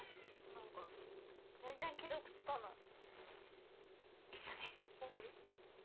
何か全然既読つかない忙しいんじゃない？